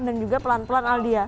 dan juga pelan pelan aldia